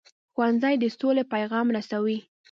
ښوونځی د سولې پیغام رسوي